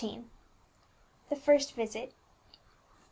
THE FIRST VISIT.